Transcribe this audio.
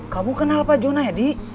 kamu kenal pak juna ya di